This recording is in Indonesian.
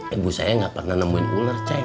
ibu saya gak pernah nemuin ular ceng